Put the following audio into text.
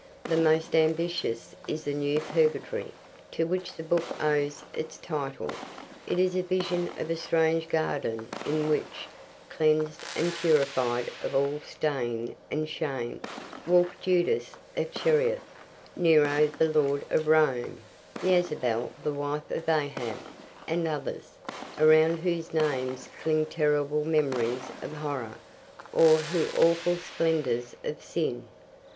The most ambitious is The New Purgatory, to which the book owes its title. It is a vision of a strange garden in which, cleansed and purified of all stain and shame, walk Judas of Cherioth, Nero the Lord of Rome, Ysabel the wife of Ahab, and others, around whose names cling terrible memories of horror, or awful splendours of sin.